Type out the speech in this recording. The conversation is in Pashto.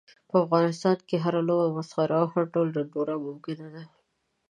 په افغانستان کې هره لوبه، مسخره او هر ډول ډنډوره ممکنه ده.